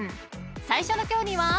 ［最初の競技は］